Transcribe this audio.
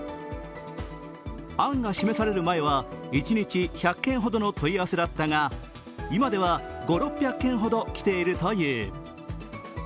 案が示される前は、一日１００件ほどの問い合わせだったが、今では５００６００件ほど来ているという。